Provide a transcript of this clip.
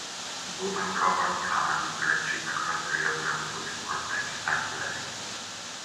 Burbank covered Callahan's retreat across the Rio Grande with Fort Duncan artillery.